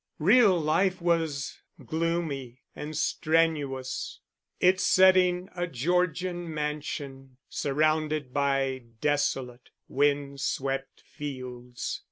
Real life was gloomy and strenuous; its setting a Georgian mansion, surrounded by desolate, wind swept fields.